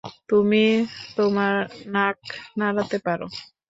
তুমি তোমার নাক নাড়াতে পারো?